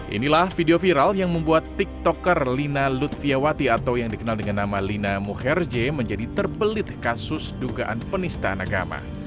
inilah video viral yang membuat tiktoker lina lutfiawati atau yang dikenal dengan nama lina mukherje menjadi terbelit kasus dugaan penistaan agama